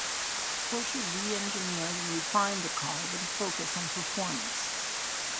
Porsche re-engineered and refined the car with a focus on performance.